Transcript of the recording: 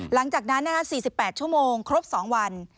หลังจากนั้น๔๘ชั่วโมงครบ๒วัน